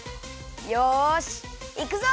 よしいくぞ！